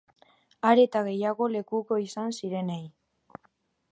Are eta gehiago lekuko izan zirenei.